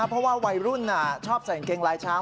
เพราะว่าวัยรุ่นชอบใส่กางเกงลายช้าง